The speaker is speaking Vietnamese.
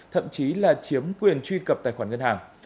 thậm chí là chiếm quyền truy cập tài khoản ngân hàng